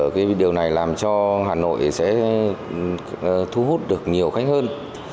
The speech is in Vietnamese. cái điều này làm cho hà nội sẽ thu hút được nhiều khách hơn